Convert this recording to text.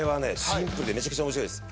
シンプルでめちゃくちゃ面白いです。